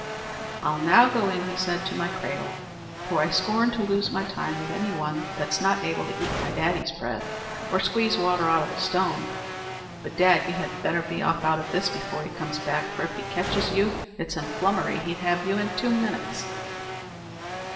"I'll now go in," said he "to my cradle; for I scorn to lose my time with any one that's not able to eat my daddy's bread, or squeeze water out of a stone. Bedad, you had better be off out of this before he comes back; for if he catches you, it's in flummery he'd have you in two minutes."